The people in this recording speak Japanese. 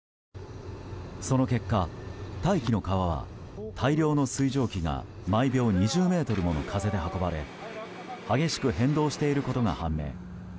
その結果、大気の川は大量の水蒸気が毎秒２０メートルもの風で運ばれ激しく変動していることが判明。